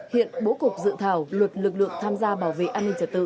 hiện bố cục dự thảo luật lực lượng tham gia bảo vệ an ninh trật tự